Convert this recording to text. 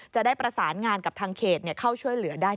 จะได้ประสานงานกับทางเขตเข้าช่วยเหลือได้